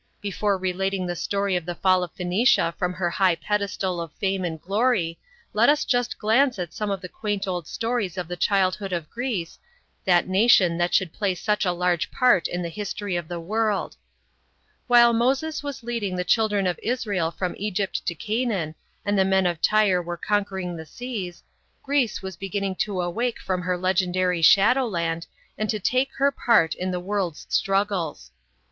Before relating the story of the fall of Phoenicia from her high pedestal of fame and glory, let us just glance at some of the quaint old stories of ib?, childhood of Greece, that nation that should play such a large part in the history of the world. While Moses was leading the* children of Israel from Egypt to Canaan, and the men of Tyre were 54 THE GODS OF GREECE. conquering the seas, Greece was beginning to awake from her legendary shadowland and to take her p^rt in the world's struggles.